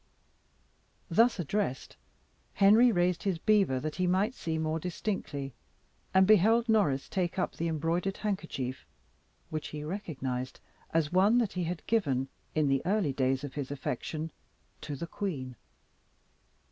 Thus addressed, Henry raised his beaver, that he might see more distinctly, and beheld Norris take up the embroidered handkerchief, which he recognised as one that he had given, in the early days of his affection, to the queen.